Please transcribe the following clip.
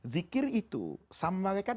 zikir itu sama malaikat